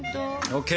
ＯＫ！